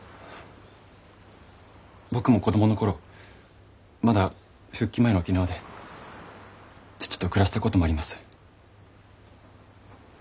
僕も子供の頃まだ復帰前の沖縄で父と暮らしたこともあります。